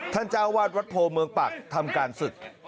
เจ้าวาดวัดโพเมืองปักทำการศึก